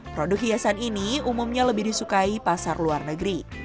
produk hiasan ini umumnya lebih disukai pasar luar negeri